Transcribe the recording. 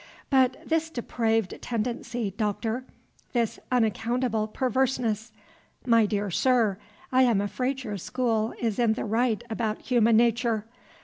"But this depraved tendency, Doctor, this unaccountable perverseness. My dear Sir, I am afraid your school is in the right about human nature.